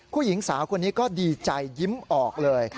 ผู้หญิงสาวคนนี้ก็ดีใจยิ้มออกเลย